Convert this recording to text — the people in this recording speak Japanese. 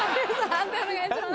判定お願いします。